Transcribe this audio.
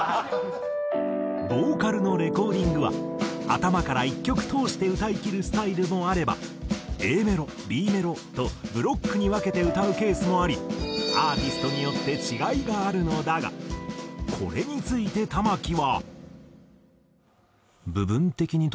ボーカルのレコーディングは頭から１曲通して歌いきるスタイルもあればＡメロＢメロとブロックに分けて歌うケースもありアーティストによって違いがあるのだがこれについて玉置は。